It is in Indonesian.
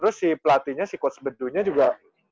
terus si pelatihnya si coach bedunya juga